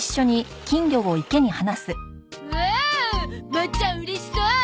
マーちゃんうれしそう。